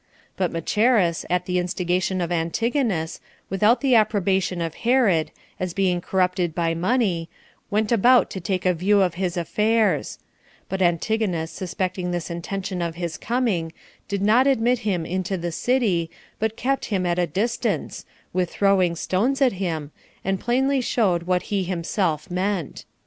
But Macheras, at the instigation of Antigonus, without the approbation of Herod, as being corrupted by money, went about to take a view of his affairs; but Antigonus suspecting this intention of his coming, did not admit him into the city, but kept him at a distance, with throwing stones at him, and plainly showed what he himself meant.